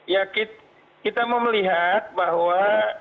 ya kita mau melihat bahwa